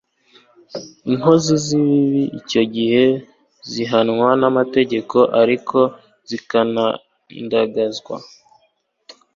inkozi z'ibibi icyo gihe zihanwa n'amategeko, ariko zikanandagazwa